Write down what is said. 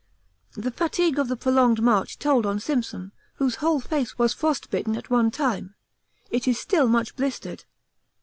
The fatigue of the prolonged march told on Simpson, whose whole face was frostbitten at one time it is still much blistered.